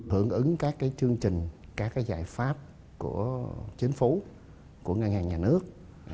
hưởng ứng các chương trình các giải pháp của chính phủ của ngân hàng nhà nước